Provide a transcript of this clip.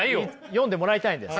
読んでもらいたいんです。